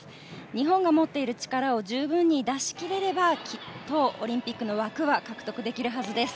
日本が持っている力を十分に出しきれればきっとオリンピックの枠は獲得できるはずです。